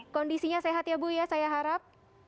kondisinya sehat ya bu ya saya harap